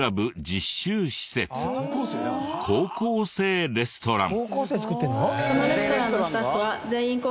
高校生レストラン。